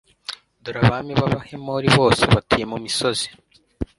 dore abami b'abahemori bose batuye mu misozi